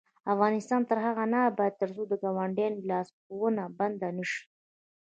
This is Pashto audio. افغانستان تر هغو نه ابادیږي، ترڅو د ګاونډیانو لاسوهنه بنده نشي.